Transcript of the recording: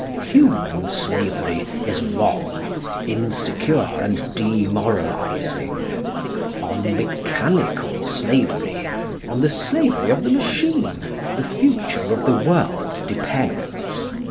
Human slavery is wrong, insecure, and demoralising. On mechanical slavery, on the slavery of the machine, the future of the world depends.